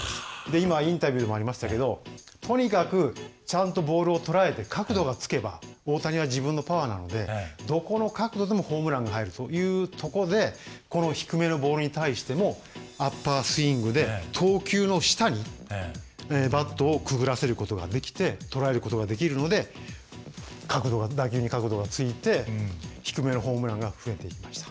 今インタビューもありましたけどとにかくちゃんとボールをとらえて角度がつけば大谷は自分のパワーなのでどこの角度でもホームランが入るというとこでこの低めのボールに対してもアッパースイングで投球の下にバットをくぐらせることができてとらえることができるので打球に角度がついて低めのホームランが増えていきました。